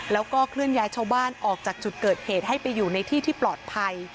แล้วก็เคลื่อนย้ายชาวบ้านออกจากจุดเกิดเหตุให้ไปอยู่ในที่ที่ปลอดภัย